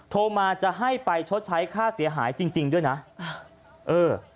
โทรมาจะให้ไปชดใช้ค่าเสียหายจริงจริงด้วยนะเออ